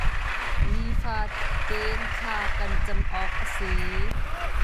Ni fatein thla kan cam awk a si.